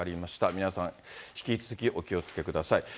皆さん、引き続きお気をつけください。